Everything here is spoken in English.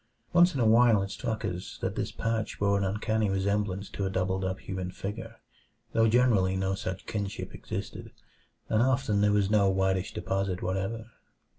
Once in a while it struck us that this patch bore an uncanny resemblance to a doubled up human figure, though generally no such kinship existed, and often there was no whitish deposit whatever.